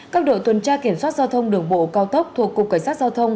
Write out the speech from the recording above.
các đội tuần tra kiểm soát giao thông đường bộ cao tốc thuộc cục cảnh sát giao thông